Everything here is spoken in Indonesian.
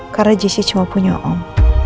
karena jessy cuma punya om